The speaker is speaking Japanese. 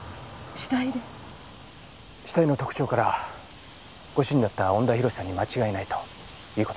死体の特徴からご主人だった恩田浩さんに間違いないという事です。